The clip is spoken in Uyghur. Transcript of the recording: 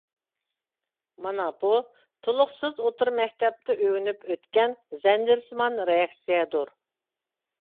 مانا بۇ تولۇقسىز ئوتتۇرا مەكتەپتە ئۆگىنىپ ئۆتكەن زەنجىرسىمان رېئاكسىيەدۇر.